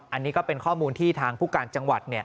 อันนี้ก็เป็นข้อมูลที่ทางผู้การจังหวัด